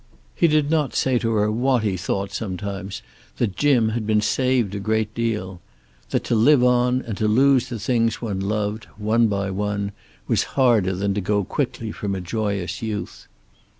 He did not say to her what he thought sometimes; that Jim had been saved a great deal. That to live on, and to lose the things one loved, one by one, was harder than to go quickly, from a joyous youth.